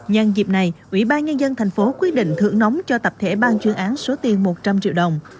nhân dịp này ủy ban nhân dân thành phố quyết định thưởng nóng cho tập thể ban chuyên án số tiền một trăm linh triệu đồng